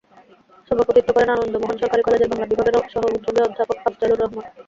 সভাপতিত্ব করেন আনন্দ মোহন সরকারি কলেজের বাংলা বিভাগের সহযোগী অ্যধাপক আফজালুর রহমান।